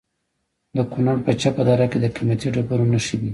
د کونړ په چپه دره کې د قیمتي ډبرو نښې دي.